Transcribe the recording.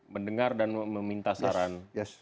mendengar dan meminta saran